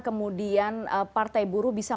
kemudian partai buruh bisa